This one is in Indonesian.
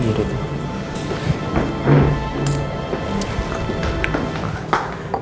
baik ditunggu ya pak